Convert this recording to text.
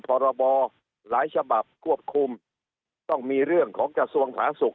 พรบหลายฉบับควบคุมต้องมีเรื่องของกระทรวงสาธารณสุข